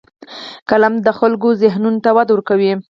قلم د خلکو ذهنونو ته وده ورکوي